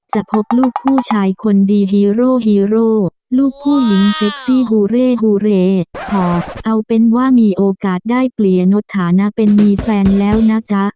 จะพบลูกผู้ชายคนดีฮีโร่ฮีโร่ลูกผู้หญิงเซ็กซี่ฮูเร่ฮูเรย์พอดเอาเป็นว่ามีโอกาสได้เปลี่ยนดฐานะเป็นมีแฟนแล้วนะจ๊ะ